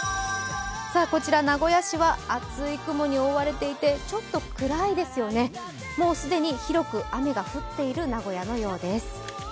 こちら名古屋市は厚い雲に覆われていてちょっと暗いですよね、もう既に広く雨が降っている名古屋のようです。